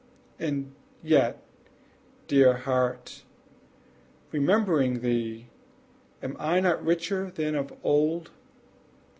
And yet, dear heart' remembering thee, Am I not richer than of old?